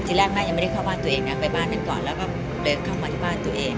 ที่แรกแม่ยังไม่ได้เข้าบ้านตัวเองนะไปบ้านนั้นก่อนแล้วก็เดินเข้ามาที่บ้านตัวเอง